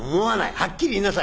はっきり言いなさい。